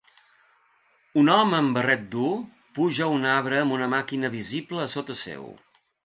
Un home amb barret dur puja a un arbre amb una màquina visible a sota seu.